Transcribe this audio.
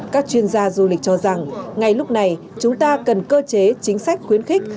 các chuyên gia du lịch cho rằng ngay lúc này chúng ta cần cơ chế chính sách khuyến khích